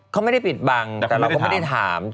เขาไม่ได้ปิดบังแต่เราก็ไม่ได้ถาม